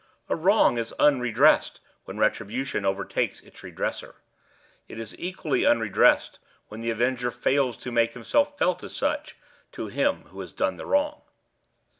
A wrong is unredressed when retribution overtakes its redresser. It is equally unredressed when the avenger fails to make himself felt as such to him who has done the wrong.